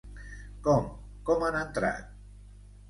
Com, com han entrat?